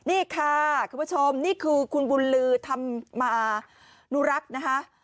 นี่ค่ะคุณผู้ชมคุณบุญลือทำมานะค่ะ